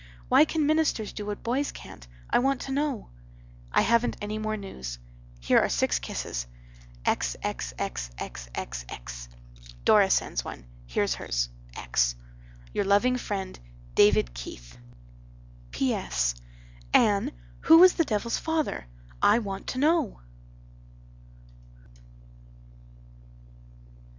Why can ministers do what boys can't? I want to know. "I haven't any more news. Here are six kisses. xxxxxx. Dora sends one. Heres hers. x. "Your loving friend DAVID KEITH" "P.S. Anne, who was the devils father? I want to know."